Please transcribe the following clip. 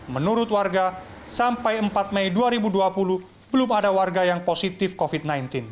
menurut warga sampai empat mei dua ribu dua puluh belum ada warga yang positif covid sembilan belas